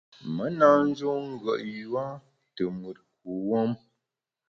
Me na njun ngùet yua te mùt kuwuom.